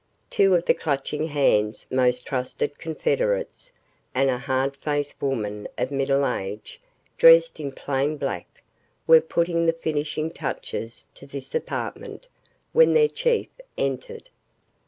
Two of the Clutching Hand's most trusted confederates and a hard faced woman of middle age, dressed in plain black, were putting the finishing touches to this apartment, when their Chief entered.